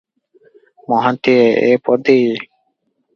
ମହାନ୍ତିଏ - ଏ ପଦୀ ।